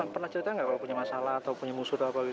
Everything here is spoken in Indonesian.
pernah cerita nggak kalau punya masalah atau punya musuh atau apa gitu